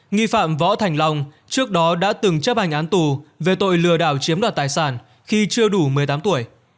nghi phạm võ thành long trước đó đã từng chấp hành án tù về tội lừa đảo chiếm đoạt tài sản khi chưa đủ một mươi tám tuổi